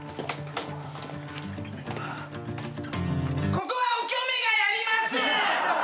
ここはおきょめがやります！